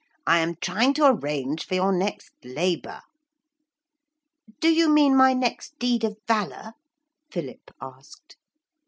I am trying to arrange for your next labour.' 'Do you mean my next deed of valour?' Philip asked.